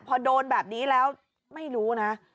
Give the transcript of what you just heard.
พอโดนแบบนี้แล้วไม่รู้นะ